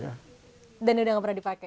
dan sudah tidak pernah dipakai